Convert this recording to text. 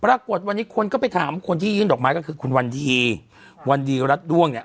ปรากฏวันนี้คนก็ไปถามคนที่ยื่นดอกไม้ก็คือคุณวันดีวันดีรัฐด้วงเนี่ย